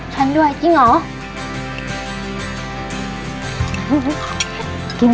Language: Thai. ฉันด้วยจริงเหรอ